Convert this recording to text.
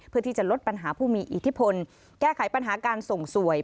เพื่อที่จะลดปัญหาผู้มีอิทธิพลแก้ไขปัญหาการส่งสวย